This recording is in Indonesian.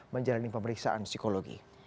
menjalani pemeriksaan psikologi